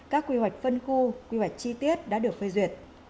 các chi tiết đã được phê duyệt